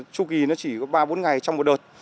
tru kỳ nó chỉ có ba bốn ngày trong một đợt